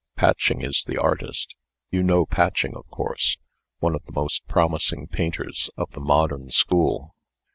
Patching is the artist. You know Patching, of course one of the most promising painters of the modern school.